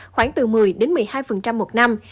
khoảng từ một mươi một mươi hai một năm